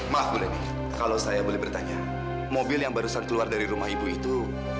mahu kalau saya boleh bertanya mobil yang barusan keluar dari rumah ibu itu